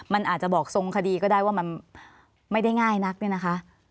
มันอาจบอกทรงคดีก็ได้ว่ามันไม่ได้ง่ายนัก